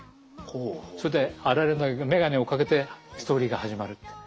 それでアラレが眼鏡をかけてストーリーが始まるってね。